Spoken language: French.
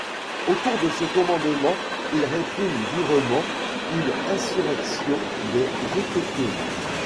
Au cours de ce commandement, il réprime durement une insurrection des autochtones.